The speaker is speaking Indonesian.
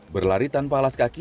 berlari tanpa alas kaki